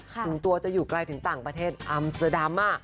คุณตัวจะอยู่ใกล้ถึงต่างประเทศอัมเซอร์ดราม่ะ